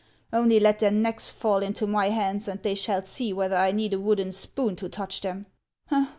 " Only let their necks fall into my hands, and they shall see whether I need a wooden spoon to touch them.